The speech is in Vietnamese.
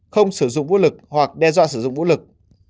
không sử dụng vũ lực hoặc đe dọa sử dụng vũ lực